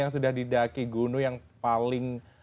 yang sudah didaki gunung yang paling